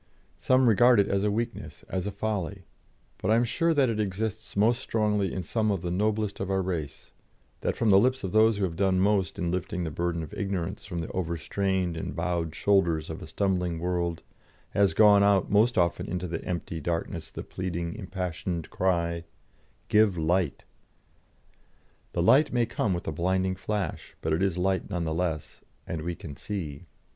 Some regard it as a weakness, as a folly, but I am sure that it exists most strongly in some of the noblest of our race; that from the lips of those who have done most in lifting the burden of ignorance from the overstrained and bowed shoulders of a stumbling world has gone out most often into the empty darkness the pleading, impassioned cry: "Give light!" The light may come with a blinding flash, but it is light none the less, and we can see.